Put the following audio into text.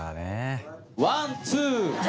ワンツー。